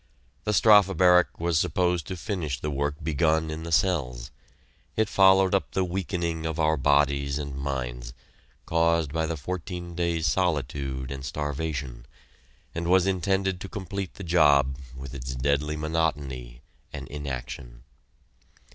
The Strafe Barrack was supposed to finish the work begun in the cells. It followed up the weakening of our bodies and minds, caused by the fourteen days' solitude and starvation, and was intended to complete the job with its deadly monotony and inaction.